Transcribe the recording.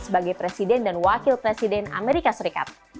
sebagai presiden dan wakil presiden amerika serikat